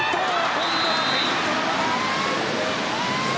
今度はフェイントだ、和田！